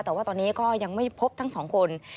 แต่ว่าตอนนี้ก็ยังไม่พบทั้งสองคน